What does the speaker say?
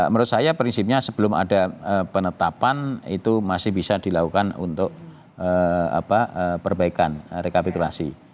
menurut saya prinsipnya sebelum ada penetapan itu masih bisa dilakukan untuk perbaikan rekapitulasi